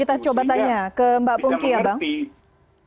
kita coba tanya ke mbak pungki ya bang